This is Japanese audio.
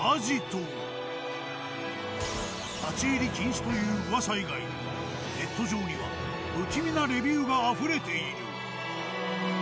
立ち入り禁止という噂以外にネット上には不気味なレビューがあふれている。